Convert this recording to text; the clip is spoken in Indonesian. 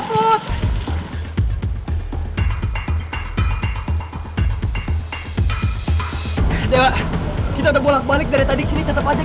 putri gak paham wajah disini ya allah